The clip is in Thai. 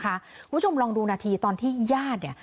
คุณผู้ชมลองดูนาทีตอนที่ญาติเนี่ย